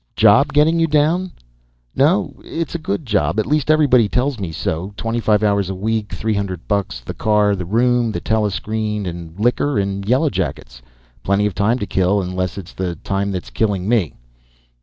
"Job getting you down?" "No. It's a good job. At least everybody tells me so. Twenty five hours a week, three hundred bucks. The car. The room. The telescreen and liquor and yellowjackets. Plenty of time to kill. Unless it's the time that's killing me."